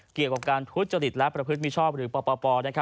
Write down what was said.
เกี่ยวกับการทุจริตและประพฤติมิชอบหรือปป